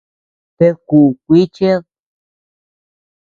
Ted kuʼu kui cheʼed.